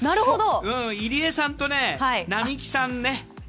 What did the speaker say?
入江さんと並木さん。